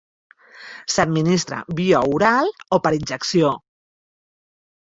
S'administra via oral o per injecció.